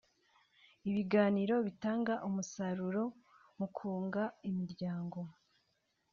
Ibiganiro bitanga umusaruro mu kunga imiryango